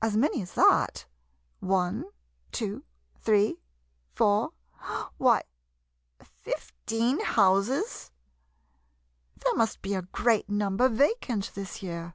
As many as that — one — two — three — four why — fifteen houses ! There must be a great number vacant this year.